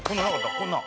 こんなの。